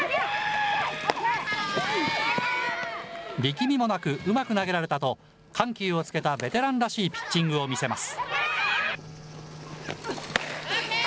力みもなくうまく投げられたと、緩急をつけたベテランらしいピッチングを見せます。